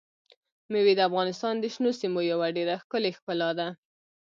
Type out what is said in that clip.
مېوې د افغانستان د شنو سیمو یوه ډېره ښکلې ښکلا ده.